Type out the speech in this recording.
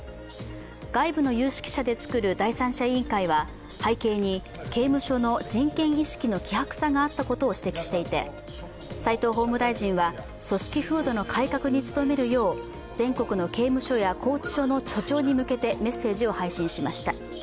外部の有識者で作る第三者委員会は背景に刑務所の人権意識の希薄さがあったことを指摘していて斎藤法務大臣は組織風土の改革に務めるよう、全国の刑務所や拘置所の所長に向けてメッセージを配信しました。